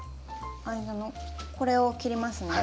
間のこれを切りますね。